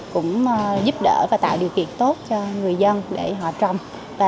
cũng giúp đỡ và tạo điều kiện tốt cho người dân để họ trồng